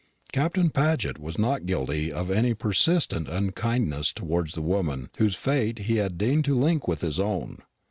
Captain Paget was not guilty of any persistent unkindness towards the woman whose fate he had deigned to link with his own.